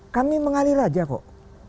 kami mengalir saja kok